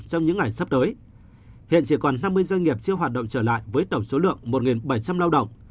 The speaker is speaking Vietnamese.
trong những ngày sắp tới hiện chỉ còn năm mươi doanh nghiệp siêu hoạt động trở lại với tổng số lượng một bảy trăm linh lao động